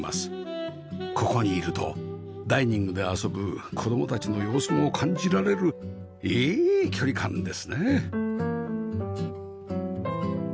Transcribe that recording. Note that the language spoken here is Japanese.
ここにいるとダイニングで遊ぶ子供たちの様子も感じられるいい距離感ですね